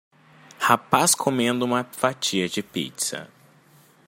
Rapaz comendo uma fatia de pizza